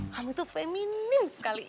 kamu itu feminim sekali